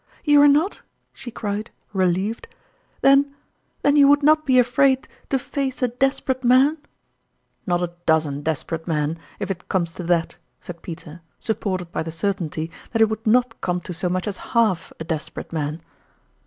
" You are not ?" she cried, relieved. " Then then you would not be afraid to face a des perate man ?"" Not a dozen desperate men, if it comes to foil anb (Earniterfoil. 121 tliat !" said Peter, supported by the certainty that it would not come to so much as half a desperate man.